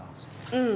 うん。